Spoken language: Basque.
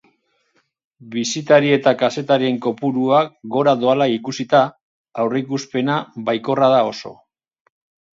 Bisitari eta kazetarien kopurua gora doala ikusita, aurreikuspena baikorra da oso.